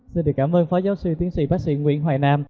xin được cảm ơn phó giáo sư tiến sĩ bác sĩ nguyễn hoài nam